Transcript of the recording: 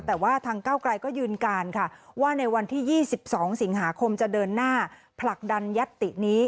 แต่ว่าทางเก้าไกลก็ยืนการค่ะว่าในวันที่๒๒สิงหาคมจะเดินหน้าผลักดันยัตตินี้